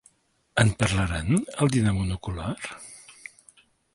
¿En parlaran, al dinar monocular?